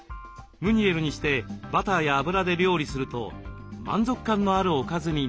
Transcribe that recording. ムニエルにしてバターや油で料理すると満足感のあるおかずになります。